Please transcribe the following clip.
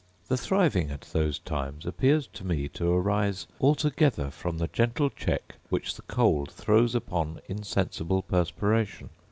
The thriving at those times appears to me to arise altogether from the gentle check which the cold throws upon insensible perspiration.